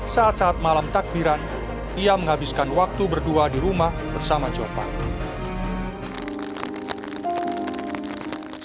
saat saat malam takbiran ia menghabiskan waktu berdua di rumah bersama javan satu momen hangat yang menjadi lengkapnya disini